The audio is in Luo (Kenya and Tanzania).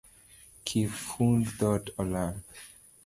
Kifund dhot olal